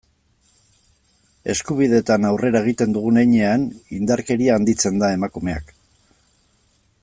Eskubideetan aurrera egiten dugun heinean, indarkeria handitzen da, emakumeak.